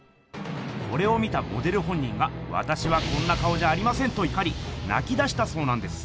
これを見たモデル本人が「わたしはこんな顔じゃありません！」といかりなき出したそうなんです。